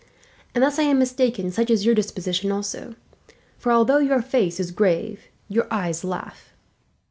Unless I am mistaken, such is your disposition also; for although your face is grave, your eyes laugh."